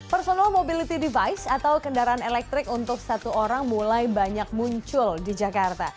personal mobility device atau kendaraan elektrik untuk satu orang mulai banyak muncul di jakarta